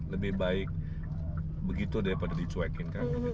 lebih baik begitu daripada dicuekin kan